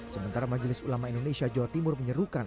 sementara majelis ulama indonesia jawa timur menyerukan